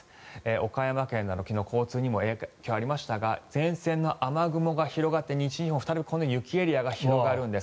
岡山県など、昨日交通にも影響がありましたが前線の雨雲が広がって西日本、再びこのように雪エリアが広がるんです。